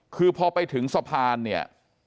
คือพอไปถึงสะพานเนี่ย